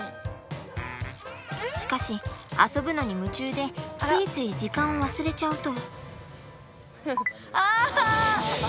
しかし遊ぶのに夢中でついつい時間を忘れちゃうと。